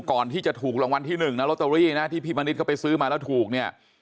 ก่อนที่จะถูกรางวัลที่๑อาตรีที่พี่มณิชย์เข้าไปซื้อมาแล้วถูกเนี่ย